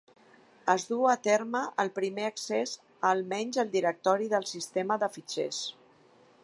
Es duu a terme el primer accés a almenys el directori del sistema de fitxers.